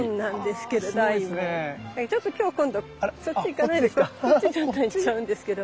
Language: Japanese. でちょっと今日今度そっち行かないでそっち行っちゃうんですけど。